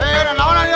eh udah lawan aja